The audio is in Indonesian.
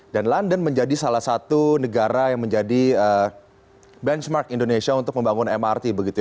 dan london menjadi salah satu negara yang menjadi benchmark indonesia untuk membangun mrt